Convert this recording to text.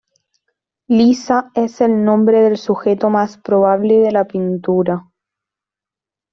Lisa es el nombre del sujeto más probable de la pintura.